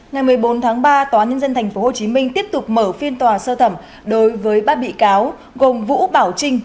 ngày một mươi bốn tháng ba tòa nhân dân thành phố hồ chí minh tiếp tục mở phiên tòa sơ thẩm đối với ba bị cáo gồm vũ bảo trinh